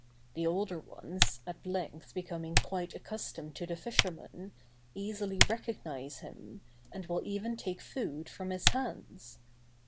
The older ones, at length becoming quite accustomed to the fisherman, easily recognize him, and will even take food from his hands.